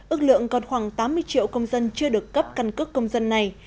ước lượng còn khoảng tám mươi triệu công dân chưa được cấp căn cước công dân này